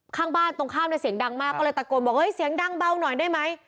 ข้างบ้านตรงข้ามเนี่ยเสียงดังมากก็เลยตะโกนบอกเฮ้ยเสียงดังเบาหน่อยได้ไหม